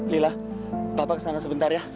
lila bapak kesana sebentar ya